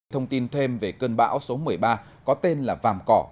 thông tin thêm về cơn bão số một mươi ba có tên là vàm cỏ